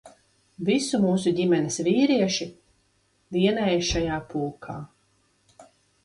Visu mūsu ģimenes vīrieši dienēja šajā pulkā.